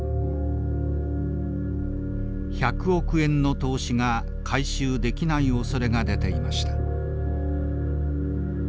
１００億円の投資が回収できないおそれが出ていました。